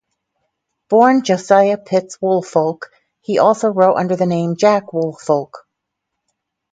Born Josiah Pitts Woolfolk, he also wrote under the name Jack Woolfolk.